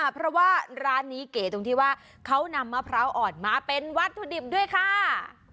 เพราะว่าร้านนี้เก๋ตรงที่ว่าเขานำมะพร้าวอ่อนมาเป็นวัตถุดิบด้วยค่ะ